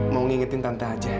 mau ngingetin tante aja